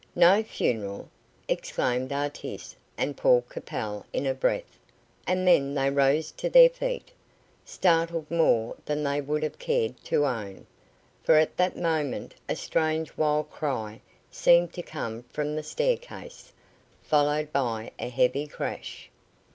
"No funeral!" exclaimed Artis and Paul Capel in a breath, and then they rose to their feet, startled more than they would have cared to own, for at that moment a strange wild cry seemed to come from the staircase, followed by a heavy crash.